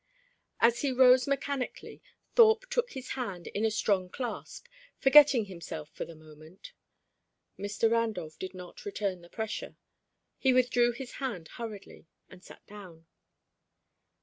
As he rose mechanically, Thorpe took his hand in a strong clasp, forgetting himself for the moment. Mr. Randolph did not return the pressure. He withdrew his hand hurriedly, and sat down.